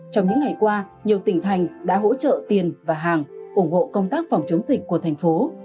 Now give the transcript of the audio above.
trong những ngày qua nhiều tỉnh thành đã hỗ trợ tiền và hàng ủng hộ công tác phòng chống dịch của thành phố